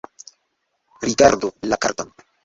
Rigardu la karton